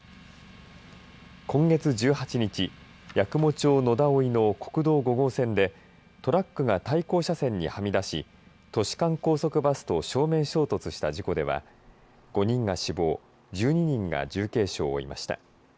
今月１８日八雲町野田生の国道５号線でトラックが対向車線にはみ出し都市間高速バスと正面衝突した事故では５人が死亡１２人が重軽傷を負いました。